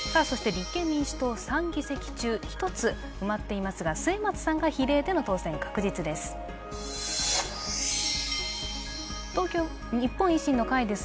立憲民主党、１つ埋まっていますが末松さんが比例での当選確実です。